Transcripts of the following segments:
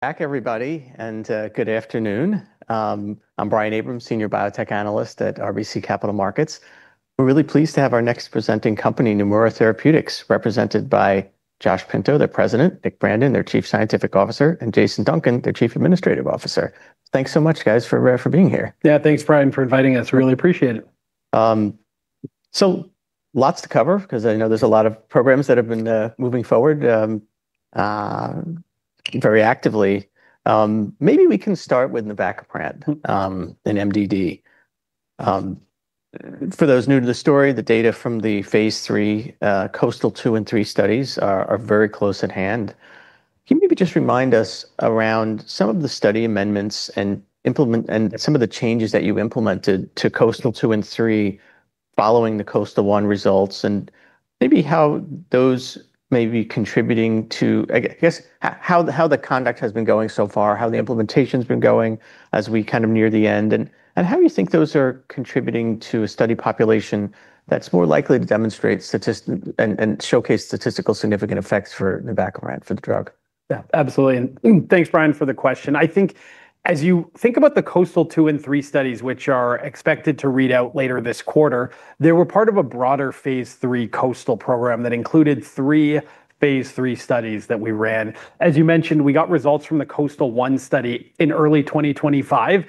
Back, everybody, and good afternoon. I'm Brian Abrahams, Senior Analyst, Biotechnology at RBC Capital Markets. We're really pleased to have our next presenting company, Neumora Therapeutics, represented by Josh Pinto, their President, Nick Brandon, their Chief Scientific Officer, and Jason Duncan, their Chief Administrative Officer. Thanks so much, guys, for being here. Yeah, thanks, Brian, for inviting us. Really appreciate it. Lots to cover 'cause I know there's a lot of programs that have been moving forward very actively. Maybe we can start with navacaprant. in MDD. For those new to the story, the data from the phase III, KOASTAL-2 and KOASTAL-3 studies are very close at hand. Can you maybe just remind us around some of the study amendments and some of the changes that you implemented to KOASTAL-2 and KOASTAL-3 following the KOASTAL-1 results, and maybe how those may be contributing to I guess, how the conduct has been going so far, how the implementation's been going as we kind of near the end and how you think those are contributing to a study population that's more likely to demonstrate and showcase statistical significant effects for navacaprant for the drug. Yeah. Absolutely. Thanks, Brian, for the question. I think as you think about the KOASTAL-2 and KOASTAL-3 studies, which are expected to read out later this quarter, they were part of a broader phase III KOASTAL program that included three phase III studies that we ran. As you mentioned, we got results from the KOASTAL-1 study in early 2025.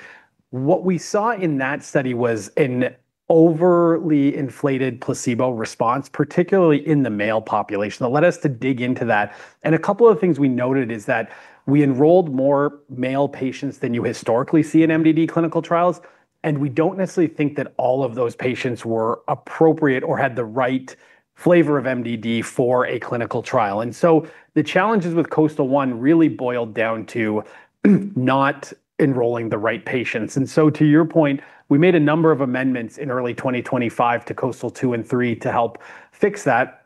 What we saw in that study was an overly inflated placebo response, particularly in the male population, that led us to dig into that. A couple of things we noted is that we enrolled more male patients than you historically see in MDD clinical trials, and we don't necessarily think that all of those patients were appropriate or had the right flavor of MDD for a clinical trial. The challenges with KOASTAL-1 really boiled down to not enrolling the right patients. To your point, we made a number of amendments in early 2025 to KOASTAL-2 and KOASTAL-3 to help fix that.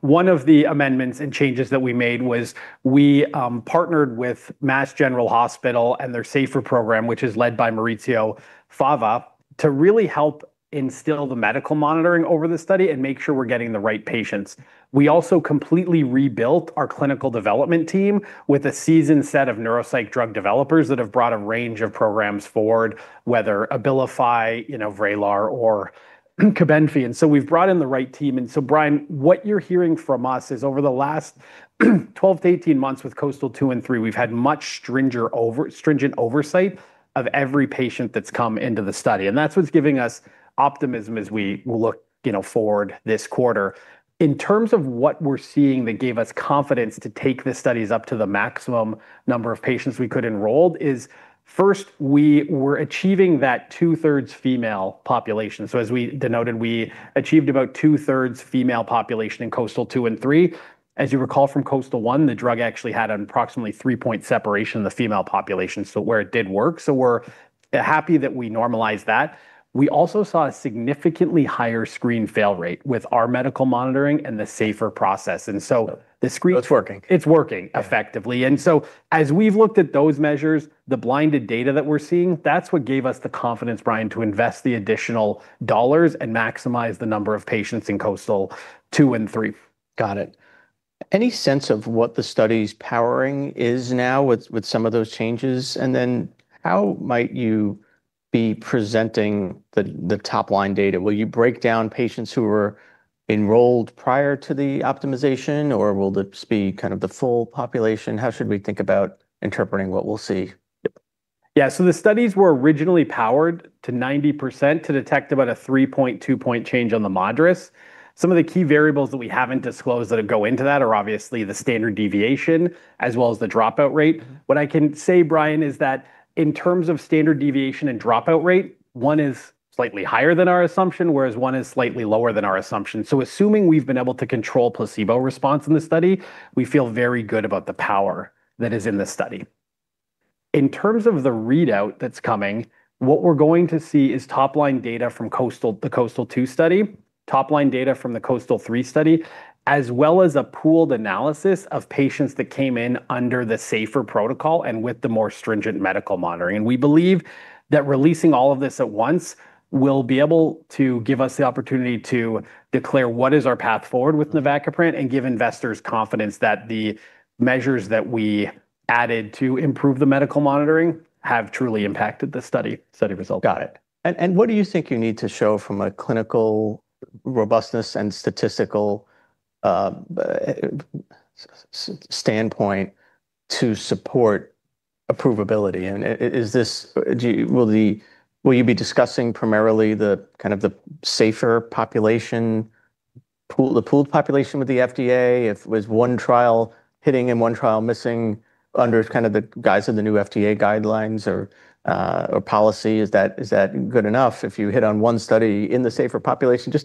One of the amendments and changes that we made was we partnered with Massachusetts General Hospital and their SAFER program, which is led by Maurizio Fava, to really help instill the medical monitoring over the study and make sure we're getting the right patients. We also completely rebuilt our clinical development team with a seasoned set of neuropsych drug developers that have brought a range of programs forward, whether Abilify, you know, Vraylar or Cobenfy. We've brought in the right team. Brian, what you're hearing from us is over the last 12 months-18 months with KOASTAL-2 and KOASTAL-3, we've had much stringent oversight of every patient that's come into the study, and that's what's giving us optimism as we look, you know, forward this quarter. In terms of what we're seeing that gave us confidence to take the studies up to the maximum number of patients we could enrolled is, first, we were achieving that two-thirds female population. As we denoted, we achieved about 2/3 female population in KOASTAL-2 and KOASTAL-3. As you recall from KOASTAL-1, the drug actually had an approximately three-point separation in the female population, so where it did work. We're happy that we normalized that. We also saw a significantly higher screen fail rate with our medical monitoring and the SAFER process. It's working It's working effectively. As we've looked at those measures, the blinded data that we're seeing, that's what gave us the confidence, Brian, to invest the additional dollars and maximize the number of patients in KOASTAL-2 and KOASTAL-3. Got it. Any sense of what the study's powering is now with some of those changes? How might you be presenting the top line data? Will you break down patients who were enrolled prior to the optimization, or will this be kind of the full population? How should we think about interpreting what we'll see? Yeah, the studies were originally powered to 90% to detect about a 3.2-point change on the MADRS. Some of the key variables that we haven't disclosed that go into that are obviously the standard deviation, as well as the dropout rate. What I can say, Brian, is that in terms of standard deviation and dropout rate, one is slightly higher than our assumption, whereas one is slightly lower than our assumption. Assuming we've been able to control placebo response in the study, we feel very good about the power that is in the study. In terms of the readout that's coming, what we're going to see is top-line data from the KOASTAL-2 study, top-line data from the KOASTAL-3 study, as well as a pooled analysis of patients that came in under the SAFER protocol and with the more stringent medical monitoring. We believe that releasing all of this at once will be able to give us the opportunity to declare what is our path forward with navacaprant and give investors confidence that the measures that we added to improve the medical monitoring have truly impacted the study result. Got it. What do you think you need to show from a clinical robustness and statistical standpoint to support approvability? Will you be discussing primarily the kind of the SAFER population pool, the pooled population with the FDA? If it was one trial hitting and one trial missing under kind of the guise of the new FDA guidelines or policy, is that, is that good enough if you hit on one study in the SAFER population? Yeah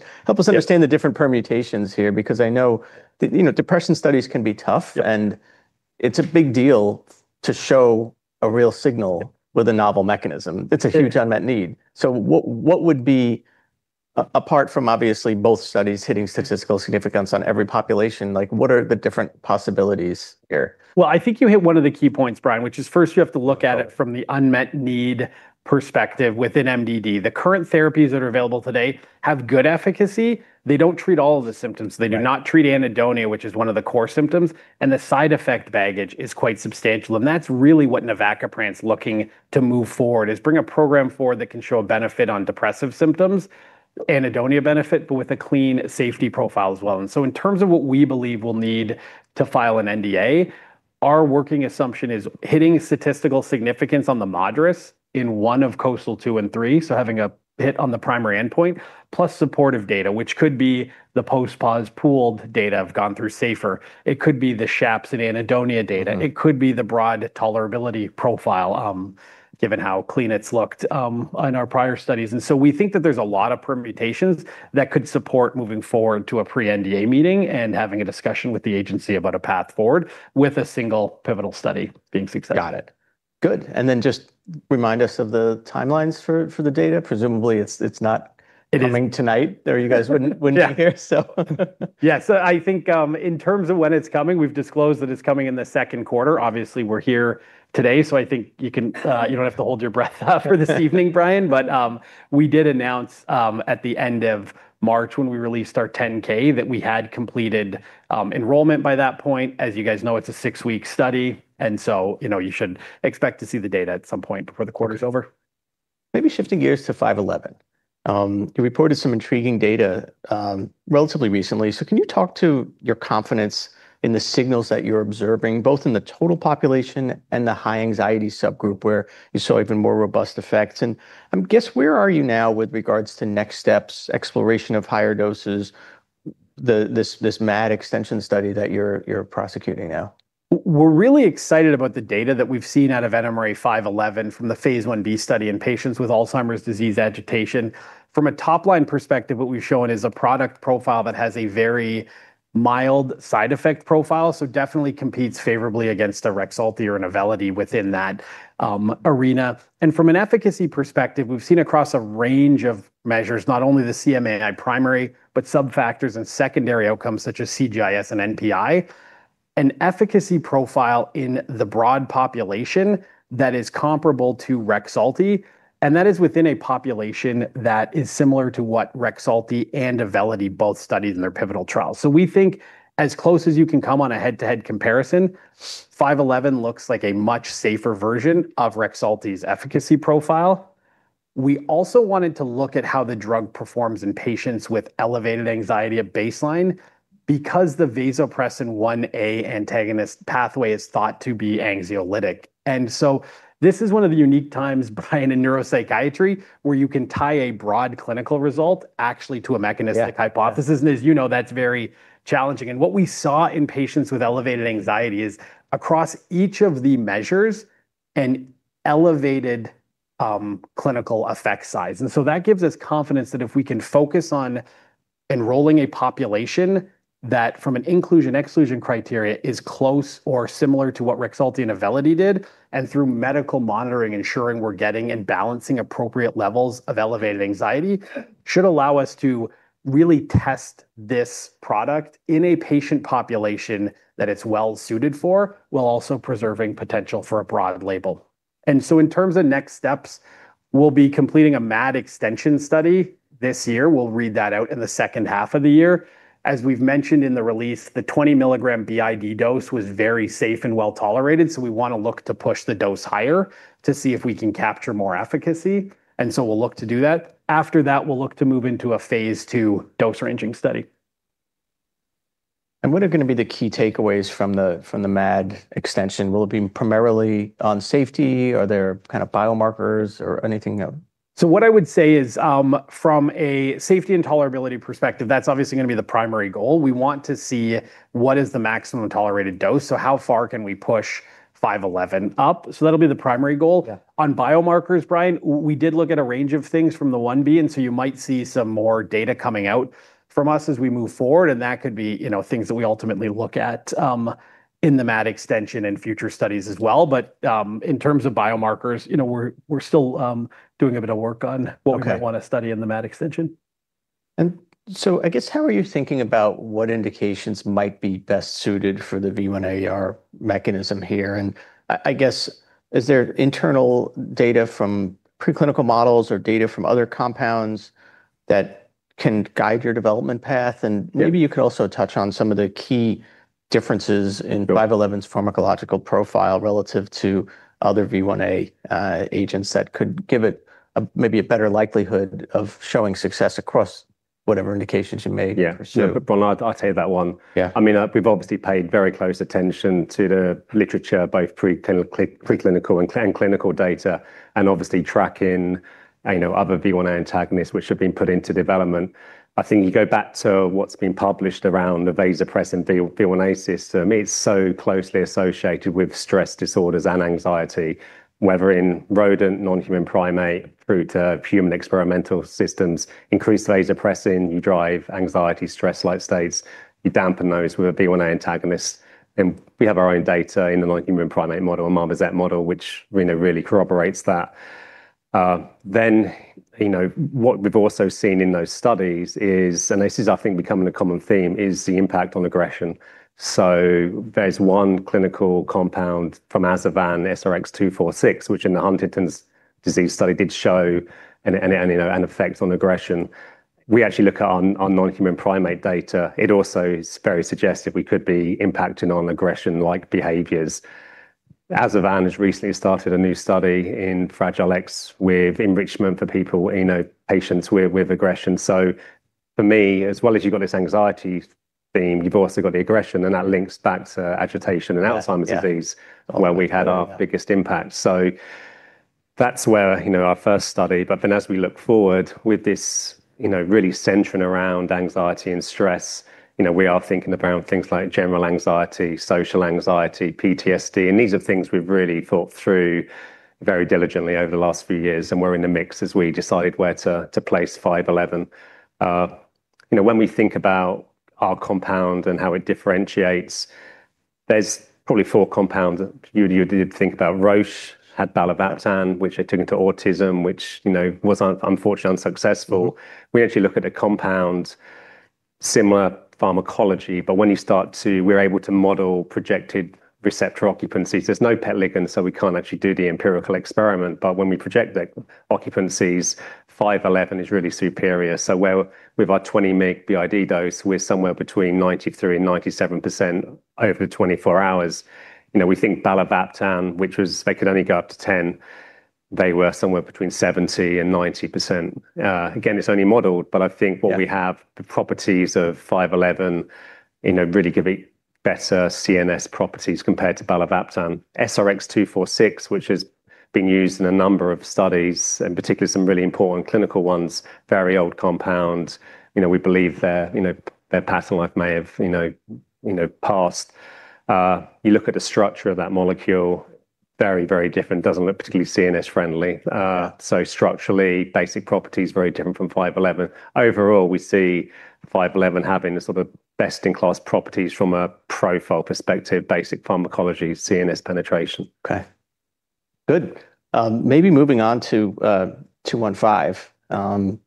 understand the different permutations here because I know, you know, depression studies can be tough. It's a big deal to show a real signal with a novel mechanism. It's a huge unmet need. What would be apart from obviously both studies hitting statistical significance on every population, like, what are the different possibilities here? Well, I think you hit one of the key points, Brian, which is first you have to look at it from the unmet need perspective within MDD. The current therapies that are available today have good efficacy. They don't treat all of the symptoms. Right. They do not treat anhedonia, which is one of the core symptoms, and the side effect baggage is quite substantial. That's really what navacaprant's looking to move forward, is bring a program forward that can show a benefit on depressive symptoms, anhedonia benefit, but with a clean safety profile as well. In terms of what we believe we'll need to file an NDA, our working assumption is hitting statistical significance on the MADRS in one of KOASTAL-2 and KOASTAL-3, so having a hit on the primary endpoint, plus supportive data, which could be the post-pause pooled data have gone through SAFER. It could be the SHAPS and anhedonia data. It could be the broad tolerability profile, given how clean it's looked, on our prior studies. We think that there's a lot of permutations that could support moving forward to a pre-NDA meeting and having a discussion with the agency about a path forward with a single pivotal study being successful. Got it. Good. Just remind us of the timelines for the data. Presumably, it's. It is- coming tonight, or you guys wouldn't be here. I think, in terms of when it's coming, we've disclosed that it's coming in the second quarter. Obviously, we're here today, so I think you can, you don't have to hold your breath for this evening, Brian. We did announce, at the end of March when we released our 10-K that we had completed enrollment by that point. As you guys know, it's a six-week study, and so, you know, you should expect to see the data at some point before the quarter's over. Maybe shifting gears to 511. You reported some intriguing data relatively recently. Can you talk to your confidence in the signals that you're observing, both in the total population and the high anxiety subgroup where you saw even more robust effects? Guess where are you now with regards to next steps, exploration of higher doses, this MAD extension study that you're prosecuting now? We're really excited about the data that we've seen out of NMRA-511 from the phase I-B study in patients with Alzheimer's disease agitation. From a top-line perspective, what we've shown is a product profile that has a very mild side effect profile, so definitely competes favorably against Rexulti or Auvelity within that arena. From an efficacy perspective, we've seen across a range of measures, not only the CMAI primary, but subfactors and secondary outcomes such as CGI-S and NPI, an efficacy profile in the broad population that is comparable to Rexulti, and that is within a population that is similar to what Rexulti and Auvelity both studied in their pivotal trials. We think as close as you can come on a head-to-head comparison, 511 looks like a much safer version of Rexulti's efficacy profile. We also wanted to look at how the drug performs in patients with elevated anxiety at baseline because the vasopressin 1a antagonist pathway is thought to be anxiolytic. This is one of the unique times, Brian, in neuropsychiatry where you can tie a broad clinical result actually to a mechanistic hypothesis. Yeah. As you know, that's very challenging. What we saw in patients with elevated anxiety is across each of the measures, an elevated clinical effect size. That gives us confidence that if we can focus on enrolling a population, that from an inclusion-exclusion criteria is close or similar to what Rexulti and Auvelity did, and through medical monitoring, ensuring we're getting and balancing appropriate levels of elevated anxiety, should allow us to really test this product in a patient population that it's well-suited for, while also preserving potential for a broad label. In terms of next steps, we'll be completing a MAD extension study this year. We'll read that out in the second half of the year. As we've mentioned in the release, the 20-mg BID dose was very safe and well-tolerated, so we want to look to push the dose higher to see if we can capture more efficacy, and so we'll look to do that. After that, we'll look to move into a phase II dose-ranging study. What are gonna be the key takeaways from the MAD extension? Will it be primarily on safety? Are there kind of biomarkers or anything? What I would say is, from a safety and tolerability perspective, that's obviously going to be the primary goal. We want to see what is the maximum tolerated dose. How far can we push 511 up? That'll be the primary goal. Yeah. On biomarkers, Brian, we did look at a range of things from the phase I-B. You might see some more data coming out from us as we move forward, and that could be, you know, things that we ultimately look at in the MAD extension and future studies as well. In terms of biomarkers, you know, we're still doing a bit of work. Okay what we might want to study in the MAD extension. I guess, how are you thinking about what indications might be best suited for the V1aR mechanism here? I guess, is there internal data from preclinical models or data from other compounds that can guide your development path? Yeah maybe you could also touch on some of the key differences? Sure NMRA-511's pharmacological profile relative to other V1a agents that could give it a, maybe a better likelihood of showing success across whatever indications. Yeah for sure. Yeah. Brian, I'll take that one. Yeah. I mean, we've obviously paid very close attention to the literature, both preclinical and clinical data, and obviously tracking, you know, other V1a antagonists which have been put into development. I think you go back to what's been published around the vasopressin V1a system, it's so closely associated with stress disorders and anxiety. Whether in rodent, non-human primate, through to human experimental systems, increased vasopressin, you drive anxiety, stress-like states. You dampen those with a V1a antagonist. We have our own data in the non-human primate model, a marmoset model, which, you know, really corroborates that. You know, what we've also seen in those studies is, and this is, I think, becoming a common theme, the impact on aggression. There's one clinical compound from Azevan, SRX246, which in the Huntington's disease study did show you know, an effect on aggression. We actually look at on non-human primate data. It also is very suggestive we could be impacting on aggression-like behaviors. Azevan has recently started a new study in Fragile X with enrichment for people, you know, patients with aggression. For me, as well as you've got this anxiety theme, you've also got the aggression, and that links back to agitation and Alzheimer's disease. Yeah. Yeah. where we had our biggest impact. That's where, you know, our first study. As we look forward with this, you know, really centering around anxiety and stress, you know, we are thinking about things like general anxiety, social anxiety, PTSD, and these are things we've really thought through very diligently over the last few years, and we're in the mix as we decide where to place 511. You know, when we think about our compound and how it differentiates, there's probably four compounds that you'd think about. Roche had balovaptan, which they took into autism, which, you know, was unfortunately unsuccessful. We actually look at a compound, similar pharmacology, but we're able to model projected receptor occupancy. There's no PET ligand, we can't actually do the empirical experiment. When we project the occupancies, 511 is really superior. Where with our 20 mg BID dose, we're somewhere between 93% and 97% over 24 hours. You know, we think balovaptan, which was they could only go up to 10, they were somewhere between 70% and 90%. Again, it's only modeled, but I think. Yeah What we have, the properties of five-eleven, you know, really give it better CNS properties compared to balovaptan. SRX246, which has been used in a number of studies, and particularly some really important clinical ones, very old compound. You know, we believe their, you know, their patent life may have, you know, passed. You look at the structure of that molecule, very, very different. Doesn't look particularly CNS friendly. Structurally, basic properties very different from five-eleven. Overall, we see five-eleven having the sort of best in class properties from a profile perspective, basic pharmacology, CNS penetration. Okay. Good. Maybe moving on to 215.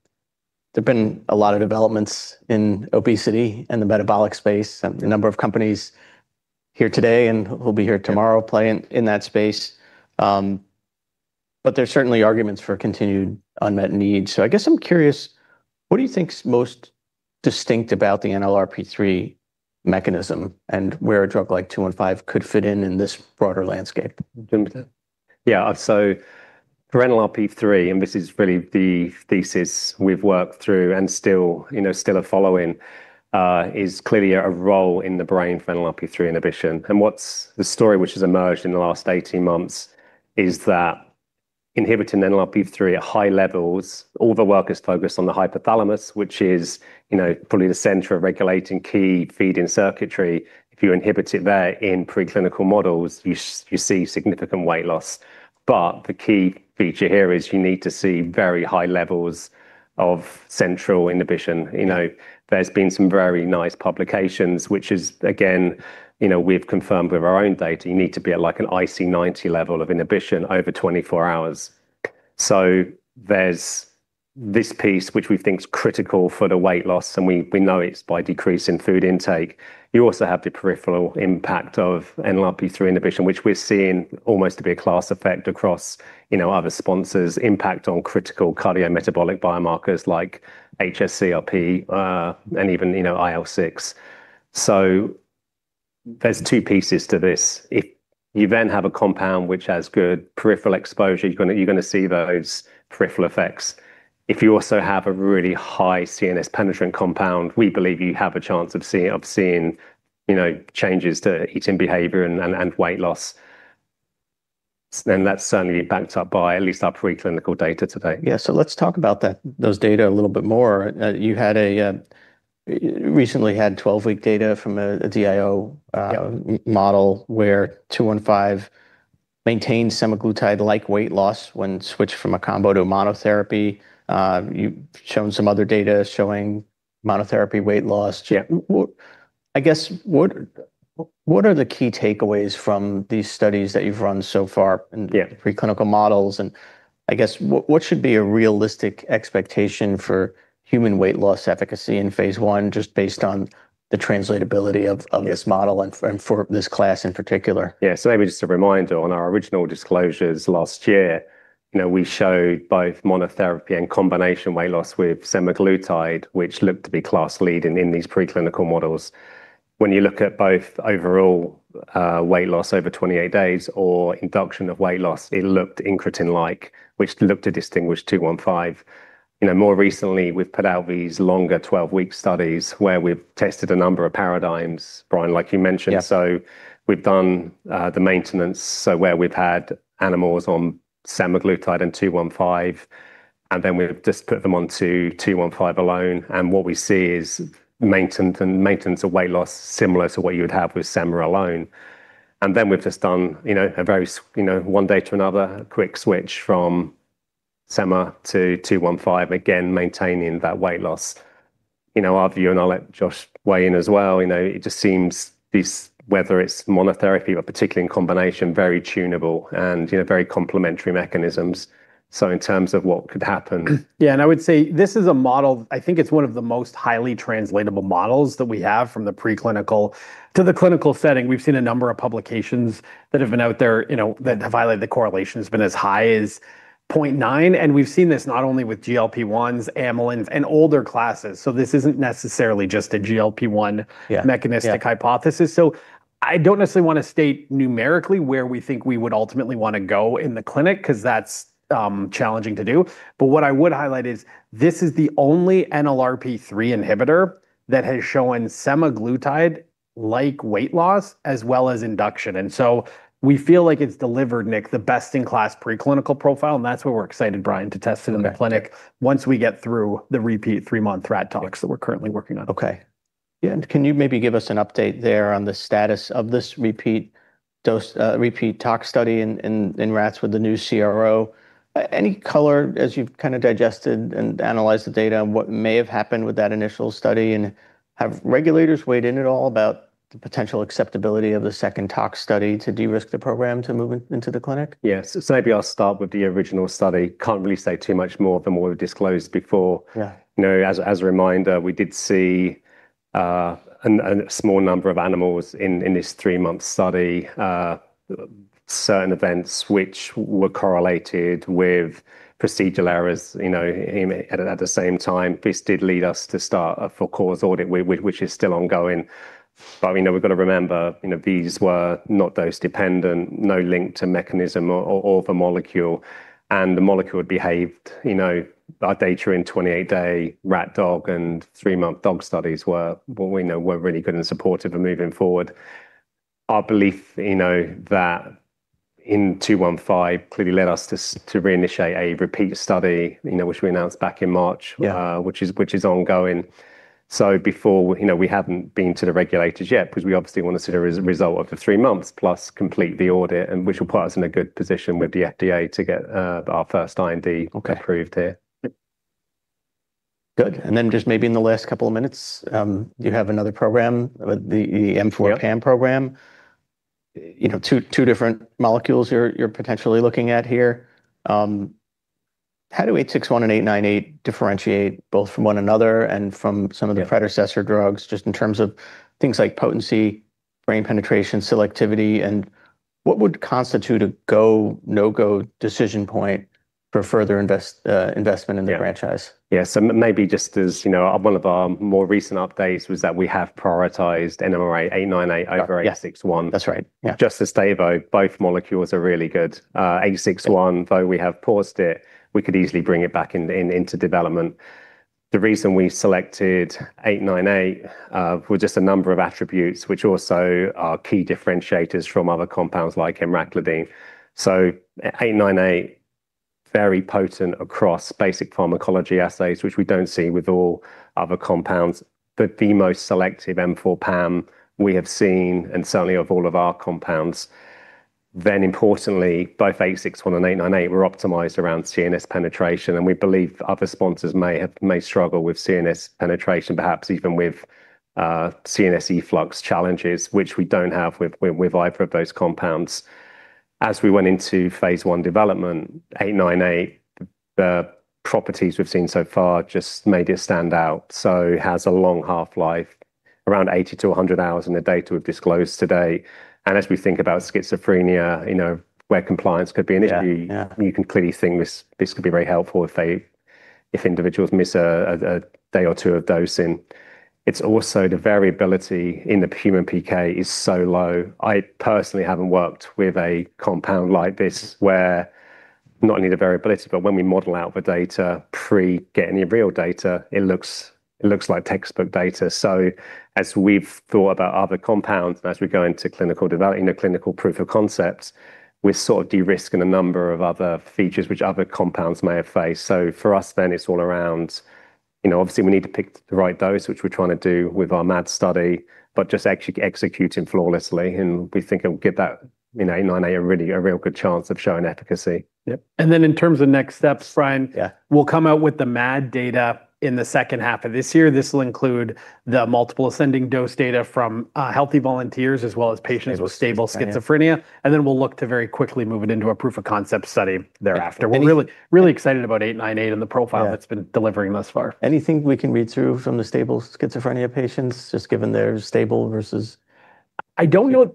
There've been a lot of developments in obesity and the metabolic space. A number of companies here today and who'll be here tomorrow play in that space. There's certainly arguments for continued unmet needs. I guess I'm curious, what do you think's most distinct about the NLRP3 mechanism, and where a drug like 215 could fit in in this broader landscape? Yeah. For NLRP3, this is really the thesis we've worked through and still, you know, still are following, is clearly a role in the brain for NLRP3 inhibition. What's the story which has emerged in the last 18 months is that inhibiting NLRP3 at high levels, all the work is focused on the hypothalamus, which is, you know, probably the center of regulating key feeding circuitry. If you inhibit it there in preclinical models, you see significant weight loss. The key feature here is you need to see very high levels of central inhibition. You know, there's been some very nice publications, which is again, you know, we've confirmed with our own data, you need to be at, like, an IC90 level of inhibition over 24 hours. There's this piece which we think is critical for the weight loss, and we know it's by decreasing food intake. You also have the peripheral impact of NLRP3 inhibition, which we're seeing almost to be a class effect across, you know, other sponsors' impact on critical cardiometabolic biomarkers like hs-CRP, and even, you know, IL-6. There's two pieces to this. If you then have a compound which has good peripheral exposure, you're gonna see those peripheral effects. If you also have a really high CNS penetrant compound, we believe you have a chance of seeing, you know, changes to eating behavior and weight loss. Then that's certainly backed up by at least our preclinical data to date. Yeah. Let's talk about that, those data a little bit more. recently had 12-week data from a DIO. Yeah model where 215 maintained semaglutide-like weight loss when switched from a combo to a monotherapy. You've shown some other data showing monotherapy weight loss. Yeah. I guess, what are the key takeaways from these studies that you've run so far? Yeah preclinical models? I guess, what should be a realistic expectation for human weight loss efficacy in phase I, just based on the translatability of this model and for this class in particular? Yeah. Maybe just a reminder, on our original disclosures last year, you know, we showed both monotherapy and combination weight loss with semaglutide, which looked to be class leading in these preclinical models. When you look at both overall weight loss over 28 days or induction of weight loss, it looked incretin-like, which looked to distinguish 215. You know, more recently, we've put out these longer 12-week studies where we've tested a number of paradigms, Brian, like you mentioned. Yeah. We've done the maintenance, so where we've had animals on semaglutide and 215, and then we've just put them onto 215 alone. What we see is maintenance and maintenance of weight loss similar to what you would have with sema alone. We've just done, you know, a very, you know, one day to another, a quick switch from sema to 215, again, maintaining that weight loss. You know, our view, I'll let Josh weigh in as well, you know, it just seems this, whether it's monotherapy or particularly in combination, very tunable and, you know, very complementary mechanisms in terms of what could happen. Yeah, I would say this is a model I think it's one of the most highly translatable models that we have from the preclinical to the clinical setting. We've seen a number of publications that have been out there, you know, that have highlighted the correlation has been as high as 0.9, and we've seen this not only with GLP-1s, amylins, and older classes. This isn't necessarily just a GLP-1- Yeah mechanistic hypothesis. I don't necessarily want to state numerically where we think we would ultimately want to go in the clinic because that's challenging to do. What I would highlight is this is the only NLRP3 inhibitor that has shown semaglutide-like weight loss as well as induction. We feel like it's delivered, Nick, the best-in-class preclinical profile, and that's why we're excited, Brian, to test it in the clinic. Okay once we get through the repeat three-month rat tox that we're currently working on. Okay. Can you maybe give us an update there on the status of this repeat dose, repeat tox study in rats with the new CRO? Any color as you've kind of digested and analyzed the data on what may have happened with that initial study? Have regulators weighed in at all about the potential acceptability of the second tox study to de-risk the program to move into the clinic? Yes. Maybe I'll start with the original study. Can't really say too much more than what we've disclosed before. Yeah. You know, as a reminder, we did see a small number of animals in this three-month study, certain events which were correlated with procedural errors, at the same time. This did lead us to start a for-cause audit, which is still ongoing. We've got to remember, these were not dose dependent, no link to mechanism or the molecule, and the molecule behaved. Our data in 28-day rat, dog, and three-month dog studies, we know were really good and supportive of moving forward. Our belief that 215 clearly led us to re-initiate a repeat study, which we announced back in March. Yeah Which is, which is ongoing. Before, you know, we haven't been to the regulators yet because we obviously want to see the result of the three months, plus complete the audit, and which will put us in a good position with the FDA to get our first IND. Okay approved here. Good. Just maybe in the last couple of minutes, you have another program, the M4 PAM program. Yep. You know, two different molecules you're potentially looking at here. How do 861 and 898 differentiate both from one another? Yeah the predecessor drugs, just in terms of things like potency, brain penetration, selectivity? What would constitute a go, no-go decision point for further investment in the franchise? Yeah. Yeah. Maybe just as, you know, one of our more recent updates was that we have prioritized NMRA-898 over NMRA-861. Yeah. That's right. Yeah. Just to stay, both molecules are really good. 861, we have paused it, we could easily bring it back into development. The reason we selected 898 were just a number of attributes which also are key differentiators from other compounds like emraclidine. 898, very potent across basic pharmacology assays, which we don't see with all other compounds. The most selective M4 PAM we have seen, and certainly of all of our compounds. Importantly, both 861 and 898 were optimized around CNS penetration, and we believe other sponsors may struggle with CNS penetration, perhaps even with CNS efflux challenges, which we don't have with either of those compounds. As we went into phase I development, 898, the properties we've seen so far just made it stand out, so has a long half-life, around 80 hours-100 hours in the data we've disclosed today. As we think about schizophrenia, you know, where compliance could be an issue. Yeah. Yeah. You can clearly think this could be very helpful if individuals miss a day or two of dosing. It's also the variability in the human PK is so low. I personally haven't worked with a compound like this, where not only the variability, but when we model out the data pre getting any real data, it looks like textbook data. As we've thought about other compounds, and as we go into clinical proof of concepts, we're sort of de-risking a number of other features which other compounds may have faced. For us, it's all around, you know, obviously, we need to pick the right dose, which we're trying to do with our MAD study, just executing flawlessly, we think it'll give that, you know, 898 really, a real good chance of showing efficacy. Yeah. In terms of next steps, Brian- Yeah We'll come out with the MAD data in the second half of this year. This will include the multiple ascending dose data from healthy volunteers as well as patients with stable schizophrenia, and then we'll look to very quickly move it into a proof of concept study thereafter. Yeah. We're really, really excited about 898. Yeah It's been delivering thus far. Anything we can read through from the stable schizophrenia patients, just given they're stable. I don't know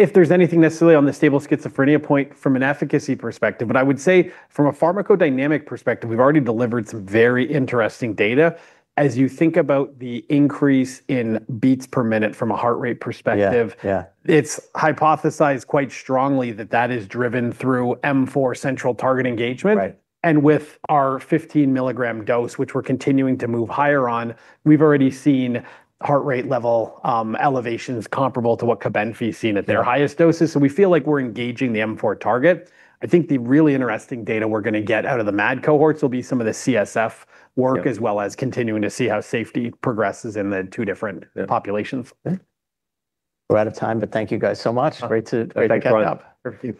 if there's anything necessarily on the stable schizophrenia point from an efficacy perspective. I would say from a pharmacodynamic perspective, we've already delivered some very interesting data. As you think about the increase in beats per minute from a heart rate perspective. Yeah, yeah. It's hypothesized quite strongly that that is driven through M4 central target engagement. Right. With our 15-mg dose, which we're continuing to move higher on, we've already seen heart rate level elevations comparable to what Cobenfy's seen at their highest doses. Yeah. We feel like we're engaging the M4 target. I think the really interesting data we're going to get out of the MAD cohorts will be some of the CSF work. Yeah as well as continuing to see how safety progresses in the two different- Yeah populations. We're out of time. Thank you guys so much. Great to catch up. Thank you, Brian.